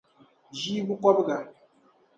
ʒii bukɔbiga.